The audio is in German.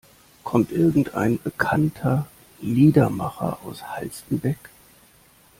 Kommt irgendein bekannter Liedermacher aus Halstenbek?